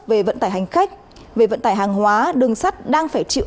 về vận tải hành khách về vận tải hàng hóa đường sắt đang phải chịu